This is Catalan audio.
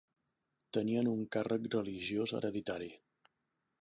Tenien un càrrec religiós hereditari.